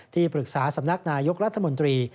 ที่ปรึกษาสำนักนายกรัฐมนตรี